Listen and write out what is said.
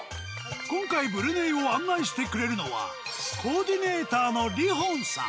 今回ブルネイを案内してくれるのはコーディネーターのリホンさん。